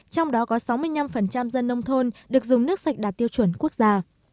trong đó có sáu mươi năm dân nông thôn được dùng nước sạch đạt tiêu chuẩn quốc gia